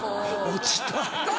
落ちた。